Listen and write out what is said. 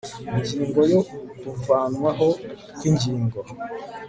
Ingingo ya Kuvanwaho kw ingingo